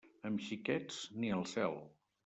Amb xiquets, ni al cel.